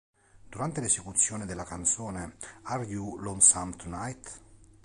Durante l'esecuzione della canzone "Are You Lonesome Tonight?